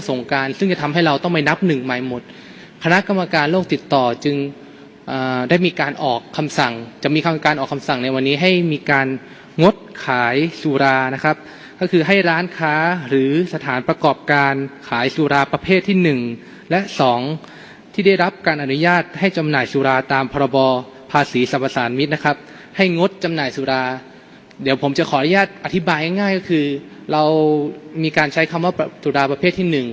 หนึ่งหมายหมดคณะกรรมการโลกติดต่อจึงอ่าได้มีการออกคำสั่งจะมีคำการออกคำสั่งในวันนี้ให้มีการงดขายสุรานะครับก็คือให้ร้านค้าหรือสถานประกอบการขายสุราประเภทที่หนึ่งและสองที่ได้รับการอนุญาตให้จำหน่ายสุราตามพรบอภาษีสรรพสารมิตรนะครับให้งดจำหน่ายสุราเดี๋ยวผมจะขออนุญาตอ